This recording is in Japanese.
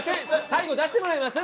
最後出してもらえます？